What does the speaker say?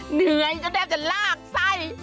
เหนื่อยจนแทบจะลากไส้